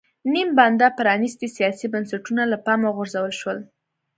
نیم بنده پرانېستي سیاسي بنسټونه له پامه وغورځول شول.